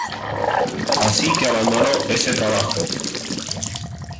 Así que abandonó ese trabajo.